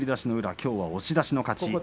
きょうは押し出しの勝ち。